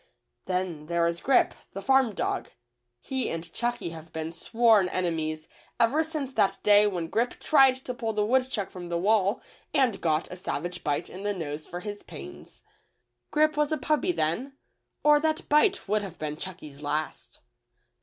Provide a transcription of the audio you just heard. Then there is Grip, the farm dog. He and Chucky have been sworn enemies ever since that day when Grip tried to pull the wood chuck from the wall and ^ot a savage bite in the nose for his pains. Grip was a puppy then, or that bite would have been Ckucky's last.